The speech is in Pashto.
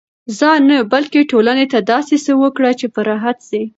ځان نه، بلکي ټولني ته داسي څه وکه، چي په راحت سي.